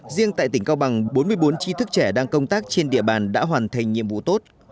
riêng tại tỉnh cao bằng bốn mươi bốn trí thức trẻ đang công tác trên địa bàn đã hoàn thành nhiệm vụ tốt